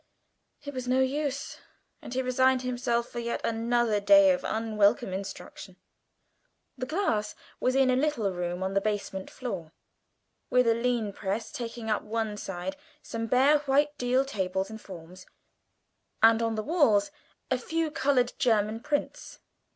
It was no use and he resigned himself for yet another day of unwelcome instruction. The class was in a little room on the basement floor, with a linen press taking up one side, some bare white deal tables and forms, and, on the walls, a few coloured German prints.